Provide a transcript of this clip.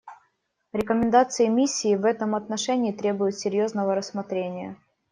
Рекомендации миссии в этом отношении требуют серьезного рассмотрения.